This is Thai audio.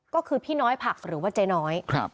ก็คือพี่น้อยผักหรือว่าเจ๊น้อย